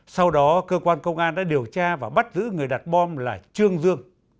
sau đó cơ quan công an đã điều tra và bắt giữ người đặt bom là trương dương